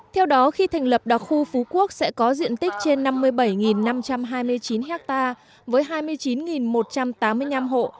theo đó khi thành lập đặc khu phú quốc sẽ có diện tích trên năm mươi bảy năm trăm hai mươi chín ha với hai mươi chín một trăm tám mươi năm hộ